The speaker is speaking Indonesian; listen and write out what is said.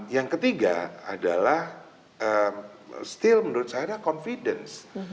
yang ketiga adalah still menurut saya adalah confidence